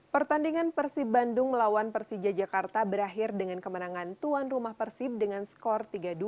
pertandingan persib bandung melawan persija jakarta berakhir dengan kemenangan tuan rumah persib dengan skor tiga dua